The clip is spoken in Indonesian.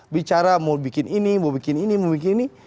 bicara mau bikin ini mau bikin ini mau bikin ini